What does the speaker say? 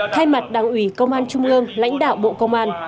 thay mặt đảng ủy công an trung ương lãnh đạo bộ công an